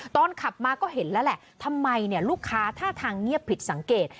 ตอนขับมาก็เห็นแล้วแหละทำไมลูกค้าท่าทางเงียบผิดสังเกต